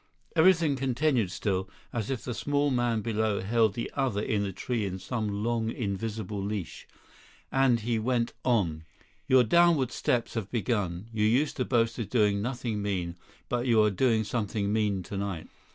Everything continued still, as if the small man below held the other in the tree in some long invisible leash; and he went on: "Your downward steps have begun. You used to boast of doing nothing mean, but you are doing something mean tonight.